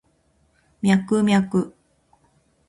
ミャクミャク